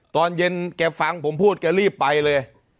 ตอนเย็นแกฟังผมพูดแกรีบไปเลย